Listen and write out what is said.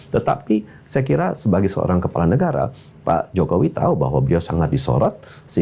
tetapi saya kira sebagai seorang kepala negara pak jokowi tahu bahwa beliau sangat disorot